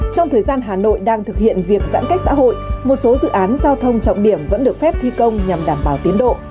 trong thời gian hà nội đang thực hiện việc giãn cách xã hội một số dự án giao thông trọng điểm vẫn được phép thi công nhằm đảm bảo tiến độ